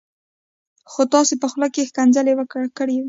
خو تاسي په خوله کي ښکنځل ورکړي و